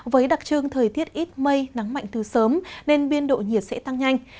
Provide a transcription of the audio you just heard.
với đặc trưng thời tiết ít mây nắng mạnh từ sớm nên biên độ nhiệt sẽ tăng nhanh